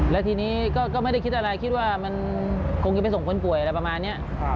แล้วทีนี้ก็ไม่ได้คิดอะไรคิดว่ามันคงจะไปส่งคนป่วยอะไรประมาณนี้